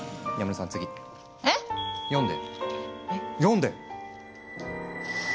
読んで！